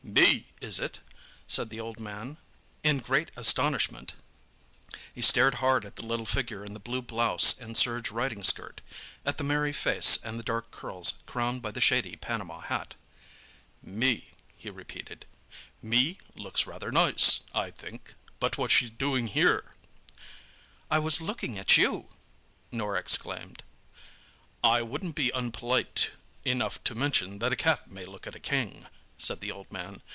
"'Me', is it?" said the old man, in great astonishment. He stared hard at the little figure in the blue blouse and serge riding skirt—at the merry face and the dark curls crowned by the shady Panama hat. "'Me'," he repeated. "'Me' looks rather nice, I think. But what's she doing here?" "I was looking at you," Norah exclaimed. "I won't be unpolite enough to mention that a cat may look at a king," said the old man.